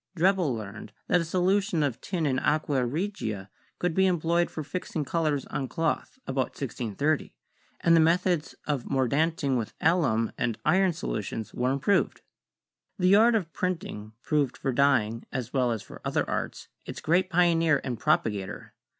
Drebbel learned that a solution of tin in aqua regia could be employed for fixing colors on cloth about 1630, and the methods of mordanting with alum and iron solutions were improved. The art of printing proved for dyeing, as well as for other arts, its great pioneer and propagator.